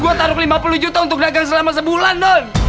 gue taruh lima puluh juta untuk dagang selama sebulan dong